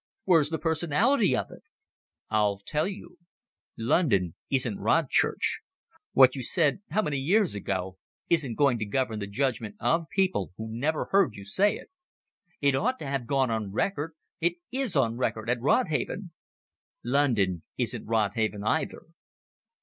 "Where's the personality of it?" "I'll tell you. London isn't Rodchurch. What you said how many years ago? isn't going to govern the judgment of people who never heard you say it." "It ought to have gone on record. It is on record over at Rodhaven." "London isn't Rodhaven either."